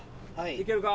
いけるか？